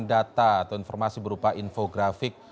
data atau informasi berupa infografik